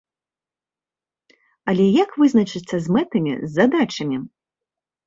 Але як вызначыцца з мэтамі, з задачамі?